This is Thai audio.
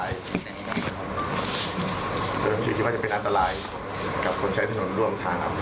ก็คือคิดว่าจะเป็นอันตรายกับคนใช้ถนนร่วมทางครับ